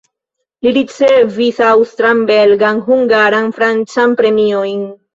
Li ricevis aŭstran, belgan, hungaran, francan premiojn.